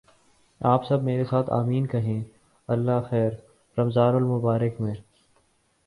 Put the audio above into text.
آپ سب میرے ساتھ "آمین" کہیں اللہ خیر! رمضان المبارک میں